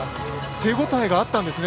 手応えがあったんですね。